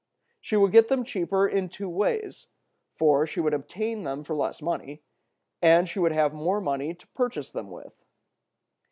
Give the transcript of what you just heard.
She would get them cheaper in two ways, for she would obtain them for less money, and would have more money to purchase them with.